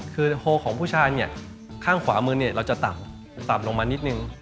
คือโฮลของผู้ชายเนี่ยข้างขวามือเนี่ยเราจะต่ำต่ำลงมานิดนึง